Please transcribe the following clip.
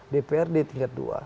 dpr di tingkat dua